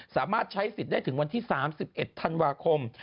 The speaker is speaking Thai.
สามารถใช้สิทธิ์ได้ถึงวันที่๓๑ธันวาคม